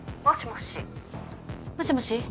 もしもし？